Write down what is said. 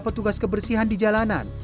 petugas kebersihan di jalanan